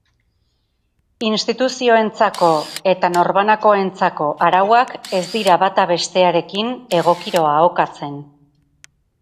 Instituzioentzako eta norbanakoentzako arauak ez dira bata bestearekin egokiro ahokatzen.